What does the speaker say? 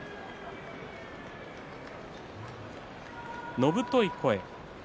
野太い声。